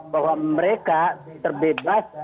bahwa mereka terbebas